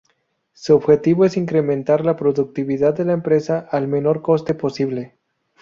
Su objetivo es incrementar la productividad de la empresa al menor coste posible.